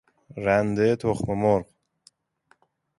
رنده تخم مرغ